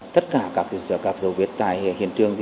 tất cả các dấu viết tại hiện trường